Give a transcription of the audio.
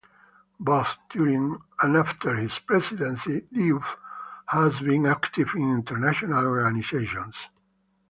Both during and after his presidency, Diouf has been active in international organizations.